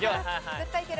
絶対いける。